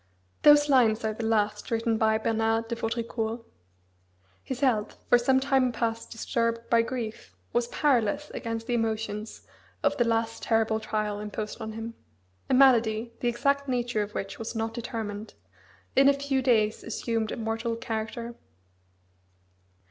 Those lines are the last written by Bernard de Vaudricourt. His health, for some time past disturbed by grief, was powerless against the emotions of the last terrible trial imposed on him. A malady, the exact nature of which was not determined, in a few days assumed a mortal character.